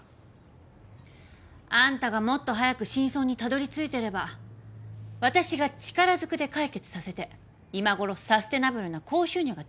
あんたがもっと早く真相にたどりついてれば私が力ずくで解決させて今ごろサステナブルな高収入が手に入ってたのに。